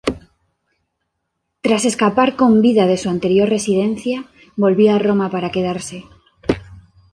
Tras escapar con vida de su anterior residencia, volvió a Roma para quedarse.